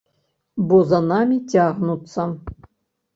Бо за намі цягнуцца.